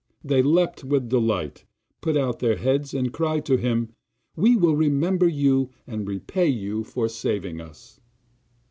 They leapt with delight, put out their heads, and cried to him: 'We will remember you and repay you for saving us!